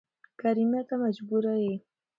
کريمه ته مجبوره يې